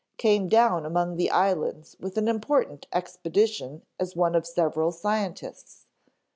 "Came down among the islands with an important expedition as one of several scientists.